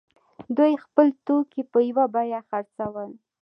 دوی خپل توکي په یوه بیه خرڅول.